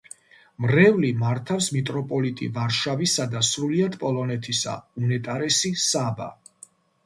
მრევლი, მართავს მიტროპოლიტი ვარშავისა და სრულიად პოლონეთისა, უნეტარესი საბა.